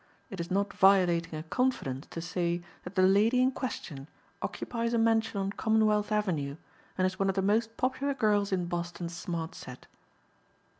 It is not violating a confidence to say that the lady in question occupies a mansion on Commonwealth avenue and is one of the most popular girls in Boston's smart set."